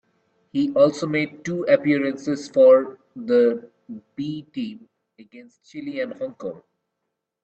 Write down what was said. He also made two appearances for the B team, against Chile and Hong Kong.